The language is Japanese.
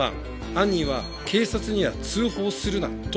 犯人は警察には通報するなと警告する。